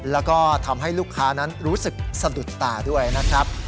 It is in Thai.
แล้วก็ทำให้ลูกค้านั้นรู้สึกสะดุดตาด้วยนะครับ